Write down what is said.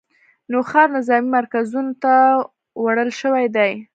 نوښار نظامي مرکزونو ته وړل شوي دي